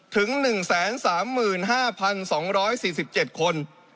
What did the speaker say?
ถึง๑๓๕๒๔๗คน